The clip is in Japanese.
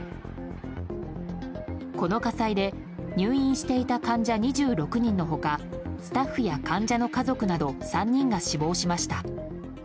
この火災で入院していた患者２６人の他スタッフや患者の家族など３人が死亡しました。